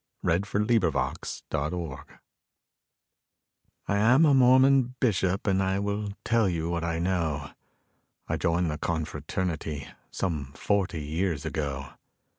THE MORMON BISHOP'S LAMENT I am a Mormon bishop and I will tell you what I know. I joined the confraternity some forty years ago.